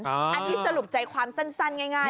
อันที่สรุปใจความสั้นง่ายแล้วคุณผู้ชม